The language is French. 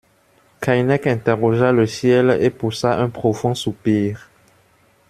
Keinec interrogea le ciel et poussa un profond soupir.